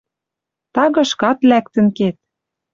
Тагышкат лӓктӹн кет.